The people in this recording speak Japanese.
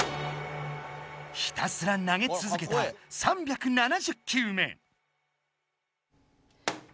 ひたすら投げつづけた３７０球目。